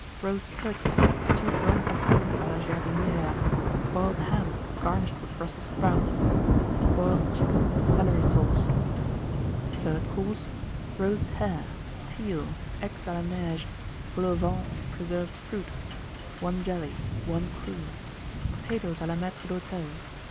Roast Turkey. Stewed Rump of Beef à la Jardinière. Boiled Ham, garnished with Brussels Sprouts. Boiled Chickens and Celery Sauce. THIRD COURSE. Roast Hare. Teal. Eggs à la Neige. Vol au Vent of Preserved Fruit. 1 Jelly. 1 Cream. Potatoes à la Maître d'Hôtel.